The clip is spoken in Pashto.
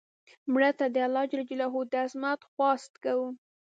مړه ته د الله ج د عظمت خواست کوو